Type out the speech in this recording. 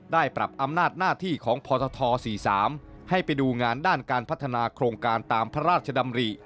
ได้ปรับอำนาจหน้าที่ของพท๔๓ให้ไปดูงานด้านการพัฒนาโครงการตามพระราชดำริ